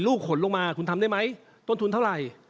ขนลงมาคุณทำได้ไหมต้นทุนเท่าไหร่